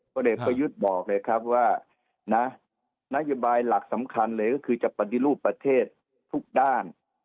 เด็กประยุทธ์บอกเลยครับว่านะนโยบายหลักสำคัญเลยก็คือจะปฏิรูปประเทศทุกด้าน